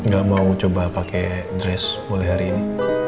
gak mau coba pake dress boleh hari ini